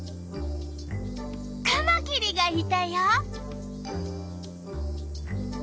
カマキリがいたよ。